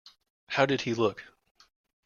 How did he look?